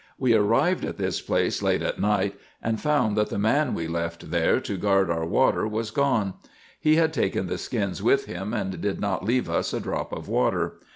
We arrived at this place late at night, and found that the man we left there to guard our water was gone. He had taken the skins with him, and did not leave us a drop of water.